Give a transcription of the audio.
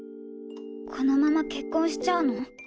このまま結婚しちゃうの？